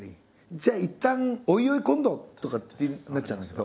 じゃあいったんおいおい今度とかってなっちゃうんだけど。